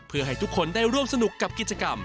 เพื่อให้ทุกคนได้ร่วมสนุกกับกิจกรรม